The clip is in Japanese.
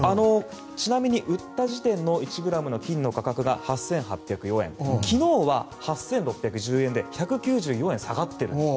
ちなみに売った時点の１ｇの金の価格が８８０４円、昨日は８６１０円で１９４円下がっている。